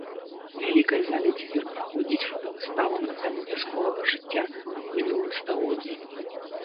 У вялікай зале цяпер праходзіць фотавыстава на тэму вясковага жыцця ў мінулым стагоддзі.